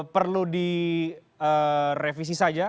perlu direvisi saja